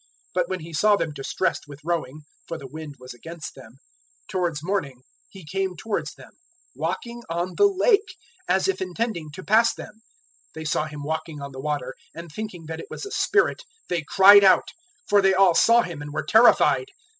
006:048 But when He saw them distressed with rowing (for the wind was against them), towards morning He came towards them walking on the Lake, as if intending to pass them. 006:049 They saw Him walking on the water, and thinking that it was a spirit they cried out; 006:050 for they all saw Him and were terrified.